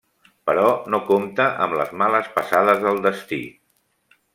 Però no compta amb les males passades del destí.